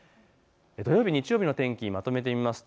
土曜日、日曜日の天気です。